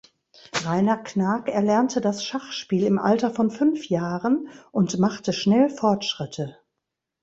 Rainer Knaak erlernte das Schachspiel im Alter von fünf Jahren und machte schnell Fortschritte.